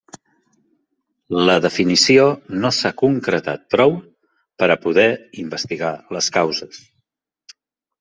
La definició no s'ha concretat prou per a poder investigar les causes.